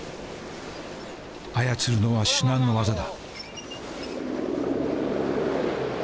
操るのは至難の業だ。